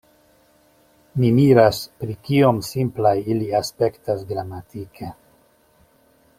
Mi miras pri kiom simplaj ili aspektas gramatike.